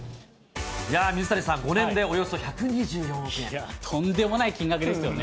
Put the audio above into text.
水谷さん、５年でおよそとんでもない金額ですよね。